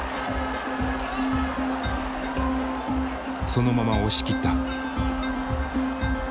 そのまま押し切った。